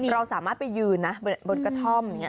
เราสามารถไปยืนนะบนกระท่อม